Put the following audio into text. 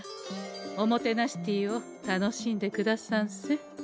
おもてなしティーを楽しんでくださんせ。